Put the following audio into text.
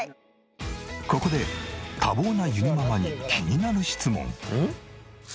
ここで多忙なゆにママに気になる質問。